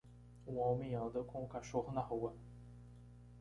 um homem anda com o cachorro na rua.